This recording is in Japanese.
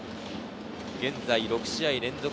現在６試合連続